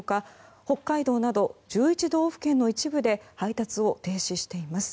北海道など１１道府県の一部で配達を停止しています。